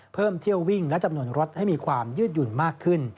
เพิ่มเที่ยววิ่งและจำนวนรถให้มีความยืดหยุ่นมากขึ้น